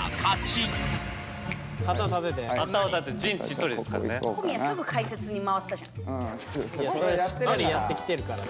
そりゃしっかりやってきてるからな。